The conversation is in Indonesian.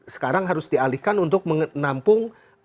sekarang harus dialihkan untuk menampung